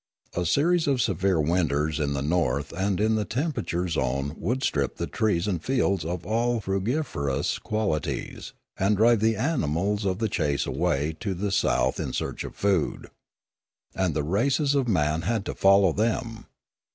A series of severe winters in the north and in the temperate zone would strip the trees and fields of all frugiferous quali ties, and drive the animals of the chase away to the south in search of food. And the races of man had to follow them.